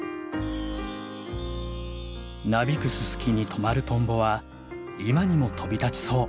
なびくススキに止まるトンボは今にも飛び立ちそう。